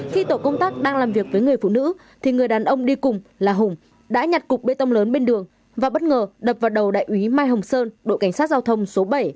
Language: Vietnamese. khi tổ công tác đang làm việc với người phụ nữ thì người đàn ông đi cùng là hùng đã nhặt cục bê tông lớn bên đường và bất ngờ đập vào đầu đại úy mai hồng sơn đội cảnh sát giao thông số bảy